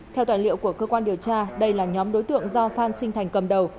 theo tài liệu của cơ quan điều tra đây là nhóm đối tượng do phan sinh thành cầm đầu